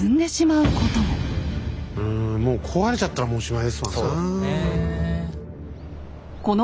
うんもう壊れちゃったらおしまいですわな。